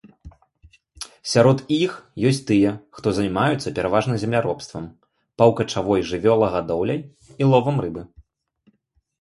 Сярод іх ёсць тыя, хто займаюцца пераважна земляробствам, паўкачавой жывёлагадоўляй і ловам рыбы.